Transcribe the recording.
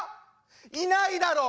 いないだろ。